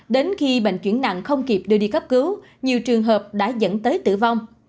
đến khi bệnh chuyển nặng không kịp đưa đi cấp cứu nhiều trường hợp đã dẫn tới tử vong